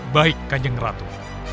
baik kanjeng ratu